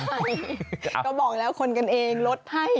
ใช่ก็บอกแล้วคนกันเองลดให้